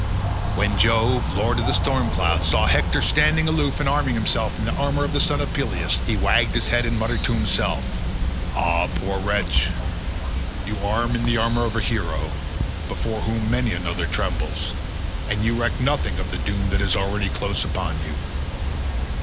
When Jove, lord of the storm cloud, saw Hector standing aloof and arming himself in the armour of the son of Peleus, he wagged his head and muttered to himself saying, "A! poor wretch, you arm in the armour of a hero, before whom many another trembles, and you reck nothing of the doom that is already close upon you.